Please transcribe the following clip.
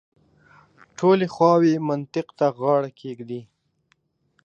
ټولې خواوې منطق ته غاړه کېږدي.